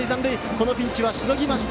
この回はしのぎました